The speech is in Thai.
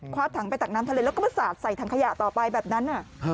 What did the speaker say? ถังไปตักน้ำทะเลแล้วก็มาสาดใส่ถังขยะต่อไปแบบนั้น